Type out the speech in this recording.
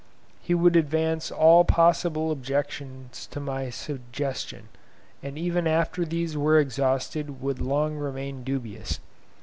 He would advance all possible objections to my suggestion, and even after these were exhausted would long remain dubious.